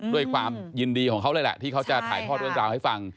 ด้วยความยินดีของเขาเลยแหละที่เขาจะถ่ายพ่อด้วยกลางนะคะ